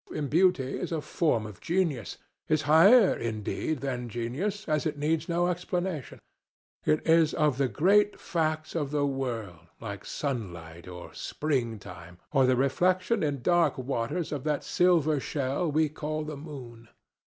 And beauty is a form of genius—is higher, indeed, than genius, as it needs no explanation. It is of the great facts of the world, like sunlight, or spring time, or the reflection in dark waters of that silver shell we call the moon.